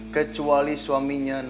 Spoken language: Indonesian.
kecuali suaminya neng